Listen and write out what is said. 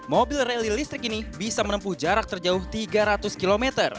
mobil rally listrik ini bisa menempuh jarak terjauh tiga ratus km